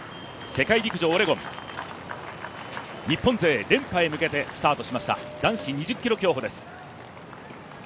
世界陸上オレゴン、日本勢連覇へ向けてスタートしました男子２０ｋｍ競歩です。